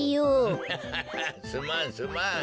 ハハハハすまんすまん。